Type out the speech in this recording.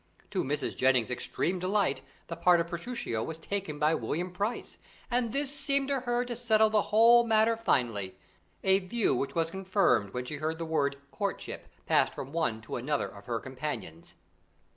To Mrs. Jennings's extreme delight, the part of Petruchio was taken by William Price, and this seemed to her to settle the whole manner finally, a view which was confirmed when she heard the word "courtship" passed from one to another of her companions.